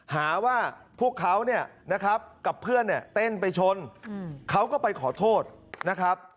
หาว่าพวกเขากับเพื่อนเต้นไปชนเขาก็ไปขอโทษนะครับ